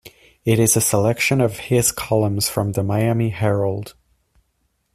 It is a selection of his columns from the "Miami Herald".